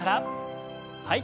はい。